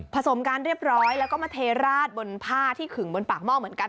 สมการเรียบร้อยแล้วก็มาเทราดบนผ้าที่ขึงบนปากหม้อเหมือนกัน